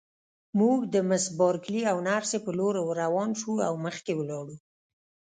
موږ د مس بارکلي او نرسې په لور ورروان شوو او مخکې ولاړو.